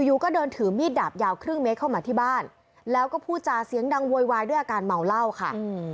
อยู่ก็เดินถือมีดดาบยาวครึ่งเมตรเข้ามาที่บ้านแล้วก็พูดจาเสียงดังโวยวายด้วยอาการเมาเหล้าค่ะ